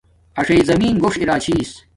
اݽݵ زمین گوݽ نی ارا چھس